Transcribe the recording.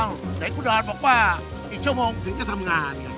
อ้าวเด็กครูดอลบอกว่าอีกชั่วโมงถึงจะทำงาน